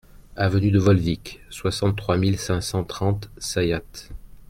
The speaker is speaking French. Avenue de Volvic, soixante-trois mille cinq cent trente Sayat